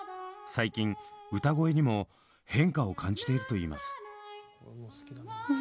最近歌声にも変化を感じているといいます。